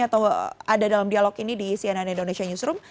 atau ada dalam dialog ini di cnn indonesia newsroom